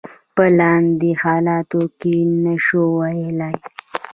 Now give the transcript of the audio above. په لاندې حالاتو کې نشو ویلای.